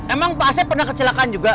emang pak asep pernah kecelakaan juga